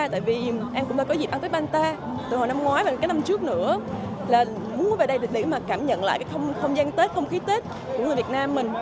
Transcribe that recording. tại vì em cũng đã có dịp ăn tết ban ta từ hồi năm ngoái và năm trước nữa muốn về đây để cảm nhận lại không gian tết không khí tết của người việt nam mình